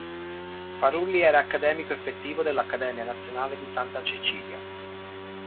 Farulli era accademico effettivo dell'Accademia nazionale di Santa Cecilia.